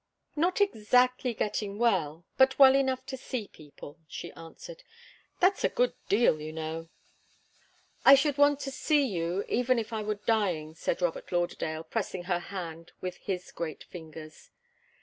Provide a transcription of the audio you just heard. "Not exactly getting well but well enough to see people," she answered. "That's a good deal, you know." "I should want to see you, even if I were dying," said Robert Lauderdale, pressing her hand with his great fingers.